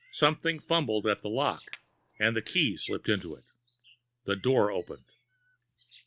Something fumbled at the lock, and a key slipped into it. The door opened.